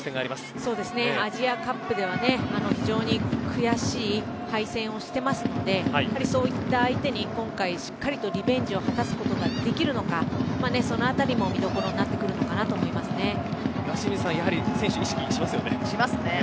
アジアカップでは非常に悔しい敗戦をしていますのでそういった相手に今回しっかりとリベンジを果たすことができるのかそのあたりも見どころに岩清水さんしますね。